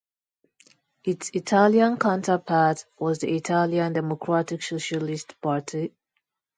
Its Italian counterpart was the Italian Democratic Socialist Party.